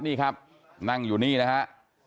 นี่ครับนั่งอยู่นี่นะฮะ